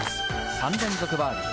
３連続バーディー。